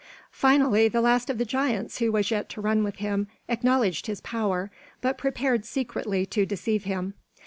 Finally the last of the giants who was yet to run with him acknowledged his power, but prepared secretly to deceive him.